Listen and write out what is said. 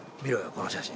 この写真。